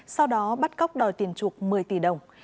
sau đó bắt cóc đòi tiền trục một mươi tỷ đồng